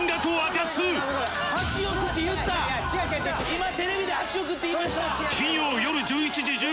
今テレビで「８億」って言いました！